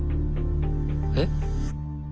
えっ？